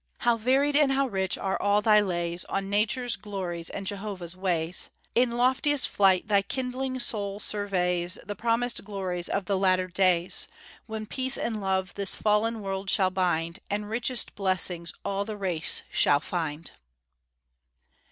How varied and how rich are all thy lays On Nature's glories and Jehovah's ways! In loftiest flight thy kindling soul surveys The promised glories of the latter days, When peace and love this fallen world shall bind, And richest blessings all the race shall find.